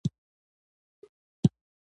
هغه د بیت المقدس په زاړه ښار کې اوسېږي.